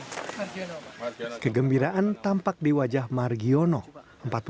sekejap kegembiraan tampak di wajah marjana